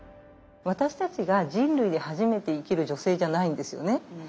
私たちが人類で初めて生きる女性じゃないんですよね。